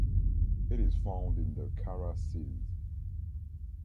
It is found in the Kara sea.